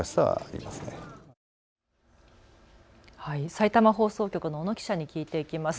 さいたま放送局の小野記者に聞いていきます。